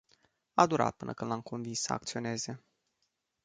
A durat până când l-am convins să acționeze.